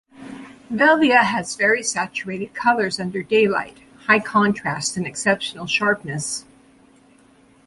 Velvia has very saturated colors under daylight, high contrast, and exceptional sharpness.